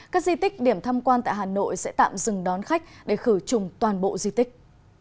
các di tích điểm tham quan tại hà nội sẽ tạm dừng đón khách để khử trùng toàn bộ di tích